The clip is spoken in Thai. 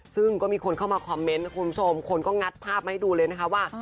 ซึ่งก็มีคนเข้ามาคอมเมนต์นะคุณผู้ชมคนก็งัดภาพมาให้ดูเลยนะคะว่า